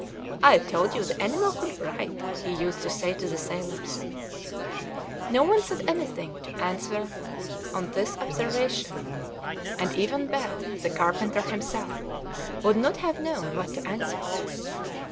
"I told you the animal could write," he used to say to the sailors. No one said anything in answer to this observation, and even Bell, the carpenter himself, would not have known what to answer.